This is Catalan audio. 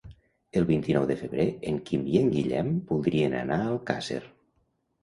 El vint-i-nou de febrer en Quim i en Guillem voldrien anar a Alcàsser.